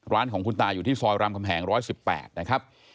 ร้านของคุณตาอยู่ที่ซอยรามคำแหง๑๑๘นะครับ